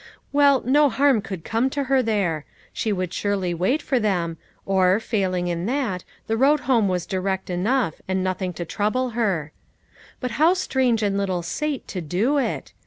"Well, no harm could come to her there; she would surely wait for them, or, failing in that, the road home was direct enough, and nothing to trouble her ; but how strange in little Sate to do it